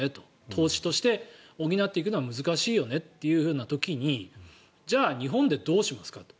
投資として補っていくのは難しいよねという時にじゃあ日本でどうしますかと。